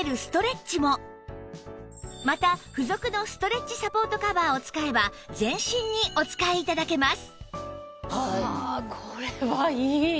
また付属のストレッチサポートカバーを使えば全身にお使い頂けます